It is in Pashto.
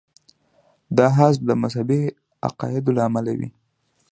دا حذف د مذهبي عقایدو له امله وي.